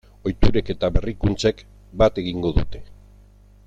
Ohiturek eta berrikuntzek bat egingo dute.